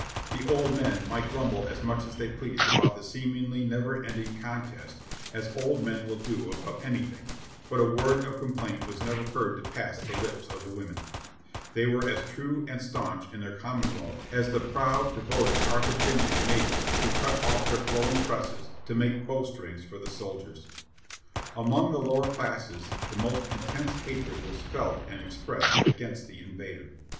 The old men might grumble as much as they pleased about the seemingly never 644 JOHNNY RDB AND BILLY YANK ending contest, as old men will do about anything, but a word of complaint was never heard to pass the lips of the women; they were as true and staunch to their Commonwealth as the proud, de voted Carthaginian maidens who cut off their flowing tresses to make bow strings for the soldiers. Among the lower classes the most intense hatred was felt and expressed against the invader.